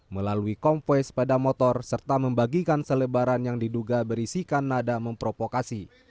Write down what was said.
melalui kompos sepeda motor serta membagikan selebaran yang diduga berisikan nada memprovokasi